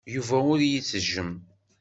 Yuba ur iyi-ittejjem.